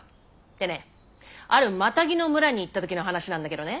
でねあるマタギの村に行った時の話なんだけどね。